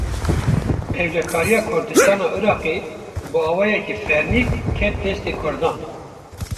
Ewlekariya Kurdistana Iraqê, bi awayekî fermî ket destê Kurdan